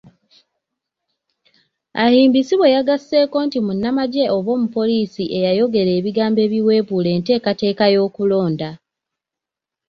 Ahimbisibwe yagasseeko nti munnamagye oba omupoliisi eyayogera ebigambo ebiweebuula enteekateeka y'okulonda.